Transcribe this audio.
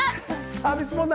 サービス問題